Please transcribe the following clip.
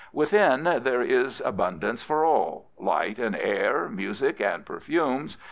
Within there is abundance for all — light and air, music and perfumes.